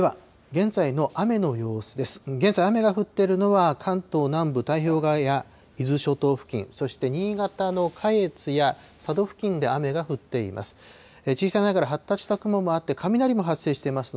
現在、雨が降っているのは関東南部、太平洋側や伊豆諸島付近、そして新潟の下越や佐渡付近で雨が降っています。